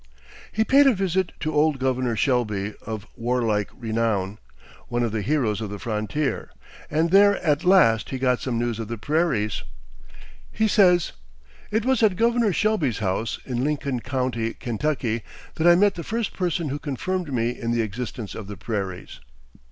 He paid a visit to old Governor Shelby of warlike renown, one of the heroes of the frontier, and there at last he got some news of the prairies! He says: "It was at Governor Shelby's house (in Lincoln County, Ky.) that I met the first person who confirmed me in the existence of the prairies."